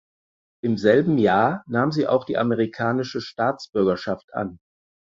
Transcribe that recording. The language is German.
Im selben Jahr nahm sie auch die amerikanische Staatsbürgerschaft an.